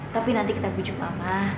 tapi nanti kita bujuk mama